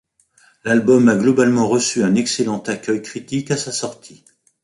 L'album a globalement reçu un excellent accueil critique à sa sortie.